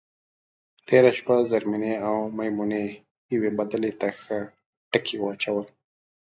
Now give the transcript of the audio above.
تېره شپه زرمېنې او میمونې یوې بدلې ته ښه ټکي واچول.